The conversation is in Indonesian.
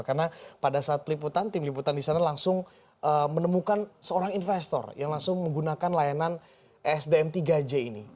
karena pada saat peliputan tim peliputan di sana langsung menemukan seorang investor yang langsung menggunakan layanan esdm tiga j ini